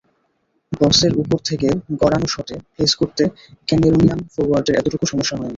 বক্সের ওপর থেকে গড়ানো শটে প্লেস করতে ক্যামেরুনিয়ান ফরোয়ার্ডের এতটুকু সমস্যা হয়নি।